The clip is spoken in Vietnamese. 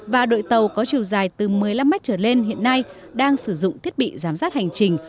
và đội tàu có chiều dài từ một mươi năm mét trở lên hiện nay đang sử dụng thiết bị giám sát hành trình